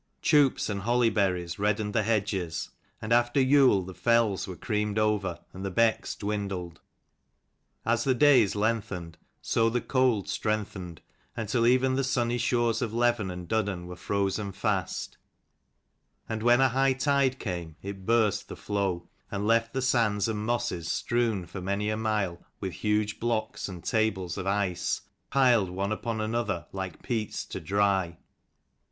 Choups and holly berries reddened the hedges ; and after Yule the fells were creamed over and the becks dwindled. As the days lengthened so the cold strengthened, until even the sunny shores of Leven and Duddon were frozen fast ; and when a high tide came, it burst the floe, and left the sands and mosses strewn for many a mile with huge blocks and tables of ice, piled one upon another like peats to dry.